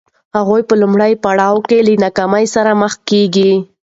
هغوی په لومړي پړاو کې له ناکامۍ سره مخ کېږي.